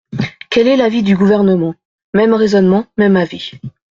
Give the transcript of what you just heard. Quel est l’avis du Gouvernement ? Même raisonnement, même avis.